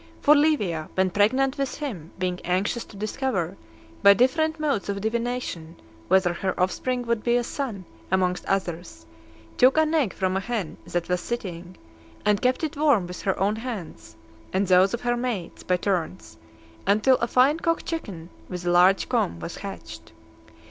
For Livia, when pregnant with him, being anxious to discover, by different modes of divination, whether her offspring would be a son, amongst others, took an egg from a hen that was sitting, and kept it warm with her own hands, and those of her maids, by turns, until a fine cock chicken, with a large comb, was hatched.